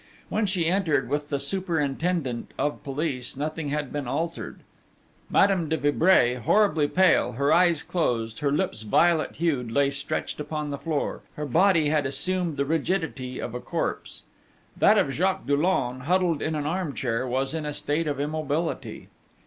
When she entered with the superintendent of police nothing had been altered. Madame de Vibray, horribly pale, her eyes closed, her lips violet hued, lay stretched on the floor: her body had assumed the rigidity of a corpse. That of Jacques Dollon, huddled in an arm chair, was in a state of immobility.